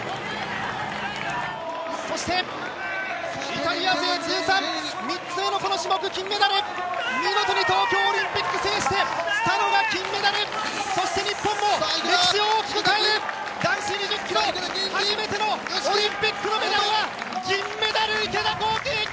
イタリア勢、通算３つ目のこの種目、金メダル見事に東京オリンピックを制してスタノが金メダル！そして日本の歴史を大きく変える男子２０ｋｍ初めてのオリンピックのメダルは銀メダル、池田向希！